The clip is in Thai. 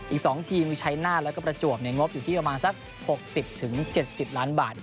อีก๒ทีมมีชัยนาธแล้วก็ประจวบงบอยู่ที่ประมาณสัก๖๐๗๐ล้านบาท